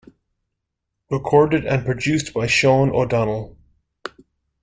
Recorded and Produced by Sean O'Donnell.